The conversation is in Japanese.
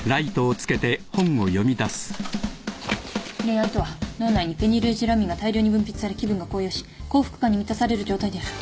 「恋愛とは脳内にフェニルエチルアミンが大量に分泌され気分が高揚し幸福感に満たされる状態である」